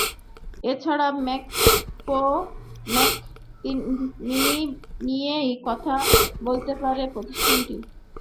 এ ছাড়া Mac Pro ও Mac mini নিয়েও কথা বলতে পারে প্রতিষ্ঠানটি।